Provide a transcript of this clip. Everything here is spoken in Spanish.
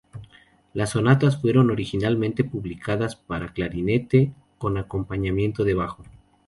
Las sonatas fueron originalmente publicadas para clarinete con acompañamiento de bajo.